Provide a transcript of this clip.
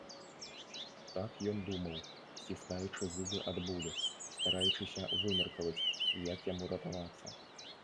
Так ён думаў, сціскаючы зубы ад болю, стараючыся вымеркаваць, як яму ратавацца.